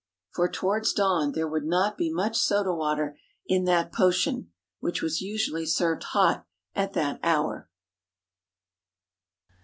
For towards dawn there would not be much soda water in that potion which was usually served hot at that hour.